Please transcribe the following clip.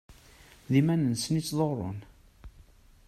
D iman-nsen i ttḍurrun.